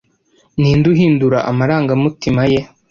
Ninde uhindura amarangamutima ye